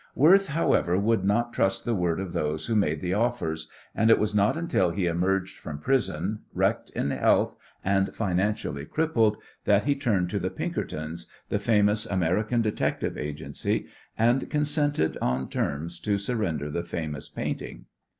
Worth, however, would not trust the word of those who made the offers, and it was not until he emerged from prison, wrecked in health and financially crippled, that he turned to the Pinkertons, the famous American detective agency, and consented on terms to surrender the famous painting.